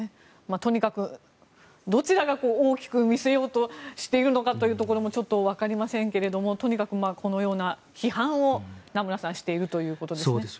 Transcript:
とにかくどちらが大きく見せようとしているのかというところもちょっとわかりませんがとにかく、このような批判を名村さんしているということですね。